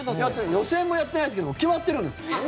予選もやってないですけど決まってるんです。